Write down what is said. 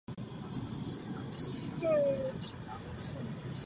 Nejmenším tělesem obsahujícím celá čísla je tedy těleso racionálních čísel.